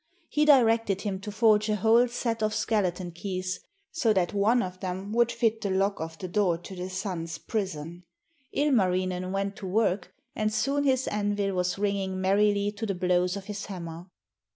He directed him to forge a whole set of skeleton keys, so that some one of them would fit the lock of the door to the Sun's prison. Ilmarinen went to work and soon his anvil was ringing merrily to the blows of his hammer.